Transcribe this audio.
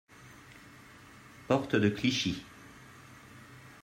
Porte de Clichy.